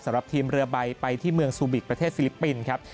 สำหรับทีมเรือใบไปที่เมืองซูบิกประเทศฟิลิปปินส์ครับ